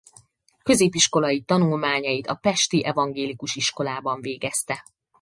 Középiskolai tanulmányait a pesti evangélikus iskolában végezte.